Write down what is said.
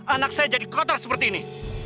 anak saya jadi kotor seperti ini